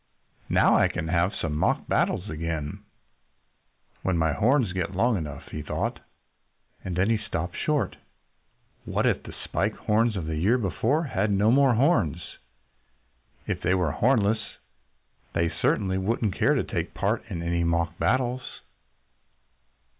"Now I can have some mock battles again when my horns get long enough," he thought. And then he stopped short. What if the Spike Horns of the year before had no more horns? If they were hornless they certainly wouldn't care to take part in any mock battles.